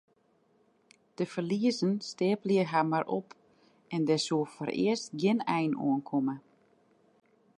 De ferliezen steapelen har mar op en dêr soe foarearst gjin ein oan komme.